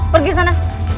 pergi ke sana